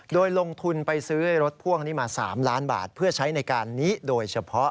โดยลงทุนไปซื้อรถพ่วงนี้มา๓ล้านบาทเพื่อใช้ในการนี้โดยเฉพาะ